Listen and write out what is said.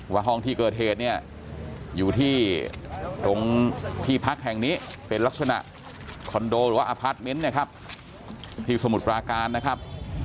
ห้องที่เกิดเหตุเนี่ยอยู่ที่ตรงที่พักแห่งนี้เป็นลักษณะคอนโดหรือว่าอพาร์ทเมนต์นะครับที่สมุทรปราการนะครับ